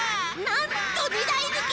なんと２だいぬき！